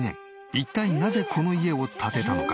一体なぜこの家を建てたのか？